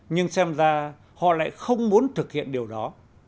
nhưng xem ra họ lại không muốn thực hiện điều đó